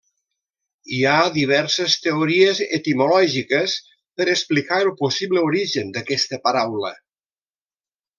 Hi ha diverses teories etimològiques per explicar el possible origen d'aquesta paraula.